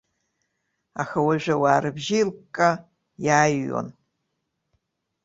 Аха уажәы ауаа рыбжьы еилыкка иааҩуан.